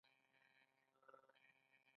میلمه پرې ماتیږي.